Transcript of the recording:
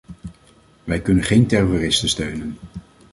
Wij kunnen geen terroristen steunen.